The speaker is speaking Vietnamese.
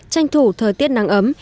tranh thủ thời tiết nắng ấm